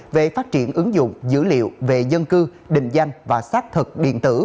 về phát triển ứng dụng dữ liệu về dân cư định danh và xác thực điện tử